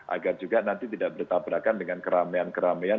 agar juga nanti tidak bertabrakan dengan keramaian keramaian